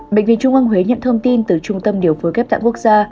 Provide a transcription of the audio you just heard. bệnh viện trung ương huế nhận thông tin từ trung tâm điều phối ghép tạng quốc gia